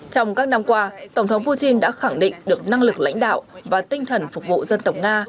trong các năm qua tổng thống putin đã khẳng định được năng lực lãnh đạo và tinh thần phục vụ dân tộc nga